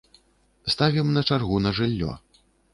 Ставім на чаргу на жыллё.